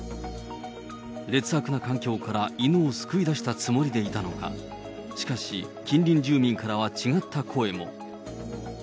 劣悪な環境から犬を救い出したつもりでいたのか、しかし、近隣住民からは違った声も。